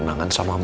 aku masih takut